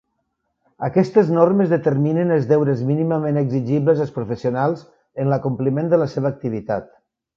Aquestes normes determinen els deures mínimament exigibles als professionals en l'acompliment de la seva activitat.